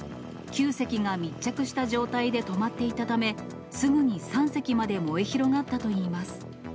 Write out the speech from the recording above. ９隻が密着した状態で止まっていたため、すぐに３隻まで燃え広がったといいます。